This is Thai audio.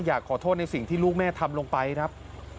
อยากขอโทษในสิ่งที่ลูกแม่ทำลงไปครับ